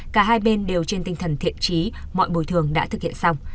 cả hai bên đều trên tinh thần thiện trí mọi bồi thường đã thực hiện xong